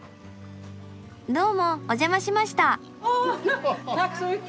どうもお邪魔しました。